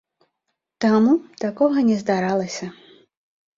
Таму такога не здаралася.